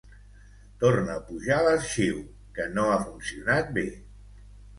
Torna a pujar l'arxiu, que no ha funcionat bé.